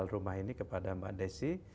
kita jual rumah ini kepada mbak desi